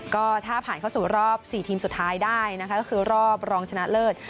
ก็ถ้าผ่านเข้าสู่รอบ๔ทีมสุดท้ายได้นะคะก็คือรอบรองชนะเลิศ